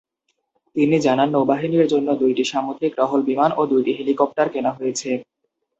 তিনি জানান নৌবাহিনীর জন্য দুইটি সামুদ্রিক টহল বিমান এবং দুইটি হেলিকপ্টার কেনা হয়েছে।